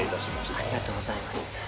ありがとうございます。